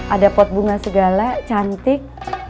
ada pot bunga segala cantik